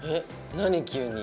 何急に。